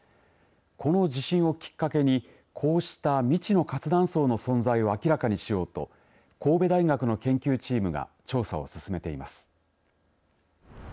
この地震をきっかけにこうした未知の活断層の存在を明らかにしようと神戸大学の研究チームが調査を進めています。